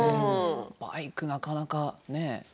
バイクはなかなか。